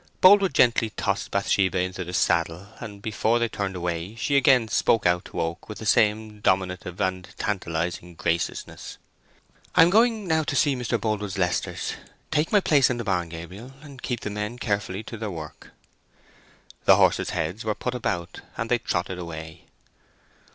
Boldwood gently tossed Bathsheba into the saddle, and before they turned away she again spoke out to Oak with the same dominative and tantalizing graciousness. "I am going now to see Mr. Boldwood's Leicesters. Take my place in the barn, Gabriel, and keep the men carefully to their work." The horses' heads were put about, and they trotted away.